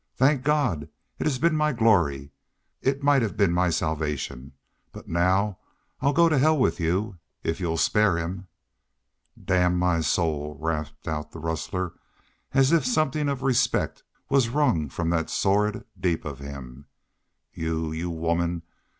... Thank God! It has been my glory.... It might have been my salvation.... But now I'll go to hell with y'u if y'u'll spare him." "Damn my soul!" rasped out the rustler, as if something of respect was wrung from that sordid deep of him. "Y'u y'u woman!